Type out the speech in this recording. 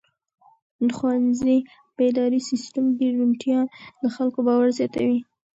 د ښوونځي په اداري سیسټم کې روڼتیا د خلکو باور زیاتوي.